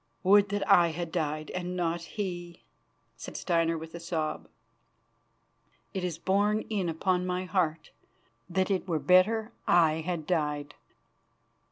"Would that I had died and not he," said Steinar with a sob. "It is borne in upon my heart that it were better I had died."